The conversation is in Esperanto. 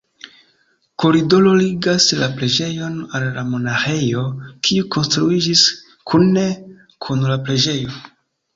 Koridoro ligas la preĝejon al la monaĥejo, kiu konstruiĝis kune kun la preĝejo.